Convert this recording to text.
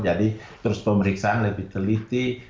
jadi terus pemeriksaan lebih teliti